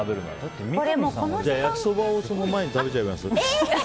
焼きそばをその前に食べちゃいます？